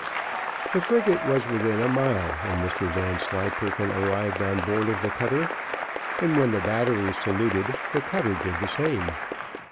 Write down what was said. The frigate was within a mile when Mr Vanslyperken arrived on board of the cutter, and when the batteries saluted, the cutter did the same.